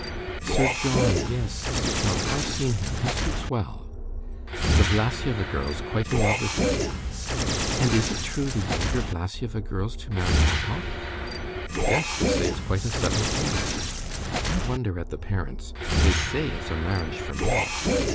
"Sir John! Yes, Sir John; I've seen him. He speaks well. The Vlassieva girl's quite in love with him." "And is it true the younger Vlassieva girl's to marry Topov?" "Yes, they say it's quite a settled thing." "I wonder at the parents! They say it's a marriage for love."